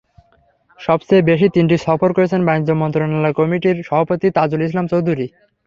সবচেয়ে বেশি তিনটি সফর করেছেন বাণিজ্য মন্ত্রণালয় কমিটির সভাপতি তাজুল ইসলাম চৌধুরী।